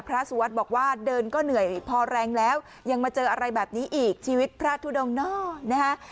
สุวัสดิ์บอกว่าเดินก็เหนื่อยพอแรงแล้วยังมาเจออะไรแบบนี้อีกชีวิตพระทุดงเนอะนะฮะ